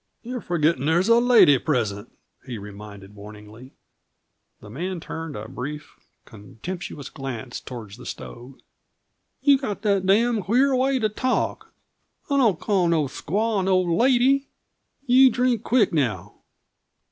"You're forgetting there's a lady present," he reminded warningly. The man turned a brief, contemptuous glance toward the stove. "You got the damn' queer way to talk. I don't call no squaw no lady. You drink queeck, now!"